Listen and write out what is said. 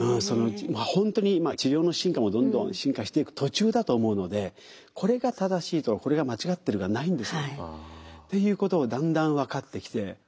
そのうちまあ本当に治療の進化もどんどん進化していく途中だと思うのでこれが正しいとかこれが間違ってるがないんですよね。っていうことをだんだん分かってきて。